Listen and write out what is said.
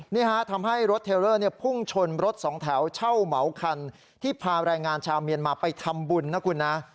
นี่ฮะทำให้รถเทลเลอร์พุ่งชนรถสองแถวเช่าเหมาคันที่พาแรงงานชาวเมียนมาไปทำบุญนะคุณนะ